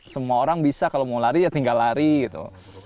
semua orang bisa kalau mau lari ya tinggal lari gitu